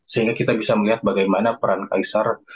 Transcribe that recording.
sehingga kita bisa melihat bagaimana peran kaisar